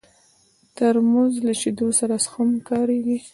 ترموز له شیدو سره هم کارېږي.